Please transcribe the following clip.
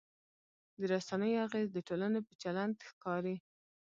د رسنیو اغېز د ټولنې په چلند ښکاري.